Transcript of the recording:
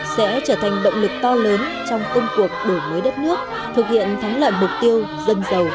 sẽ trở thành động lực to lớn trong công cuộc đổi mới đất nước thực hiện thắng lợi mục tiêu dân giàu